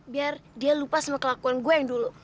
biar dia lupa sama kelakuan gue yang dulu